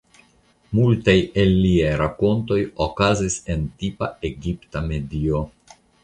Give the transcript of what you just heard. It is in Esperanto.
Multaj el liaj rakontoj okazas en tipa egipta medio.